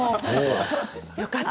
よかった。